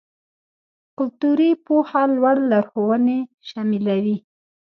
کلتوري پوهه لوړ لارښوونې شاملوي.